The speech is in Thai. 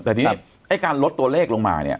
แต่ทีนี้ไอ้การลดตัวเลขลงมาเนี่ย